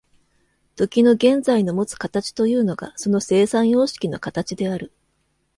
時の現在のもつ形というのがその生産様式の形である。